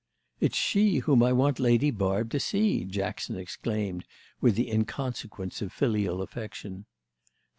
"It's she whom I want Lady Barb to see!" Jackson exclaimed with the inconsequence of filial affection.